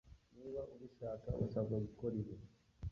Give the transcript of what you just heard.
niba ubishaka usabwa gukora ibi